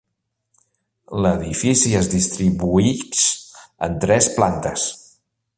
L'edifici es distribuïx en tres plantes.